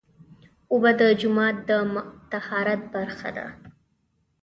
اوبه د جومات د طهارت برخه ده.